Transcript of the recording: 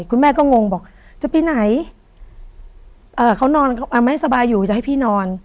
คุณแม่ก็งงบอกจะไปไหนเอ่อเขานอนไม่สบายอยู่จะให้พี่นอน